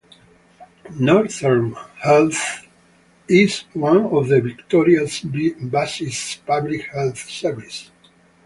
Northern Health is one of Victoria's busiest public health services.